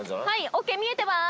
ＯＫ見えてます。